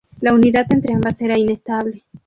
La unidad entre ambas era inestable.